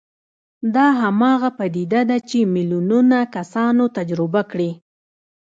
دا هماغه پديده ده چې ميليونونه کسانو تجربه کړې.